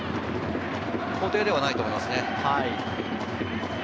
固定ではないと思いますね。